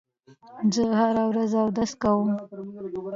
زه هره ورځ اودس کوم.